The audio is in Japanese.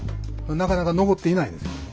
なかなか残っていないんですよ。